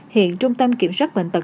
hiện trung tâm kiểm soát bệnh tật